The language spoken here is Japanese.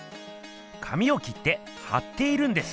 紙を切ってはっているんです。